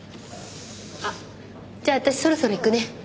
あっじゃあ私そろそろ行くね。